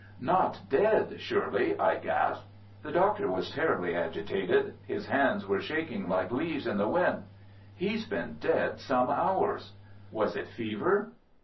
"Not dead, surely!" I gasped. The Doctor was terribly agitated. His hands were shaking like leaves in the wind. "He's been dead some hours." "Was it fever?"